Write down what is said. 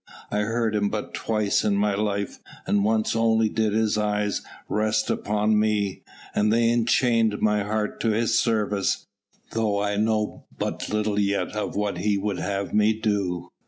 I heard Him but twice in my life and once only did His eyes rest upon me, and they enchained my heart to His service, though I know but little yet of what He would have me do."